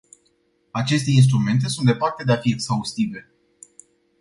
Aceste instrumente sunt departe de a fi exhaustive.